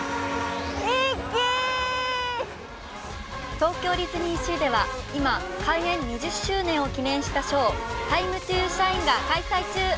東京ディズニーシーでは今、開園２０周年を記念したショー、タイム・トゥ・シャインが開催中。